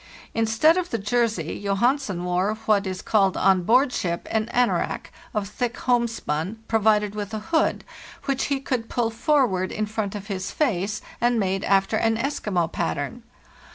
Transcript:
Instead of the jersey, Johansen wore what is called on board ship an " anorak," of thick homespun, provided with a hood, which he could pull forward in front of his face, and made after an Eskimo pattern.